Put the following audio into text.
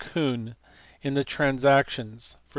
Kuhn in the Transactions [pp.